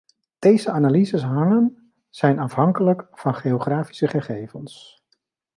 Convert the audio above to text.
Deze analyses hangen zijn afhankelijk van geografische gegevens.